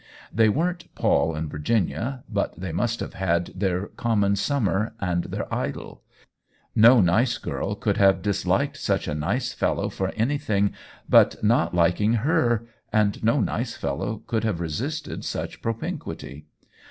They weren't Paul and Virginia, but they must have had their common summer and their idyl ; no nice girl could have disliked such a nice fellow for anything but not liking her^ and no nice fellow could have resisted such pro pinquity.